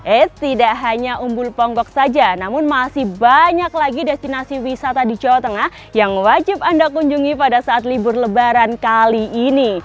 eits tidak hanya umbul ponggok saja namun masih banyak lagi destinasi wisata di jawa tengah yang wajib anda kunjungi pada saat libur lebaran kali ini